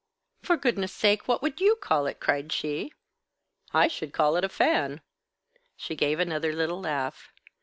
"For goodness' sake, what would you call it?" cried she. "I should call it a fan." She gave another little laugh.